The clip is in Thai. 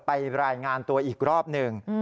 รายงานตัวอีกรอบหนึ่ง